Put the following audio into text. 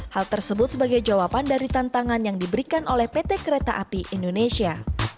hal tersebut sebagai jawaban dari tantangan yang diberikan oleh pt kereta api indonesia